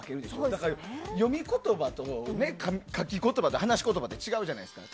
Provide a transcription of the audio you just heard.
だから、読み言葉と書き言葉と話し言葉って違うじゃないですか。